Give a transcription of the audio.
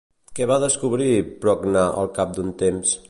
Què va descobrir Procne al cap d'un temps?